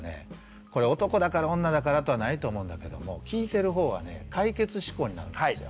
これ男だから女だからとはないと思うんだけども聴いてるほうはね解決志向になるんですよ。